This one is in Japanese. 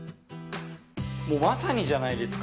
もうまさにじゃないですか。